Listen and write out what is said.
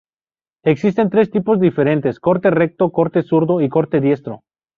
Existen tres tipos diferentes: "corte recto", "corte zurdo" y "corte diestro".